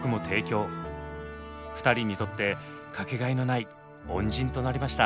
２人にとって掛けがえのない恩人となりました。